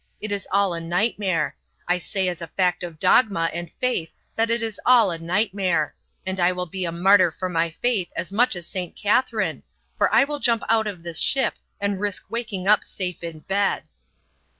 It is all a nightmare. I say as a fact of dogma and faith that it is all a nightmare. And I will be a martyr for my faith as much as St. Catherine, for I will jump out of this ship and risk waking up safe in bed."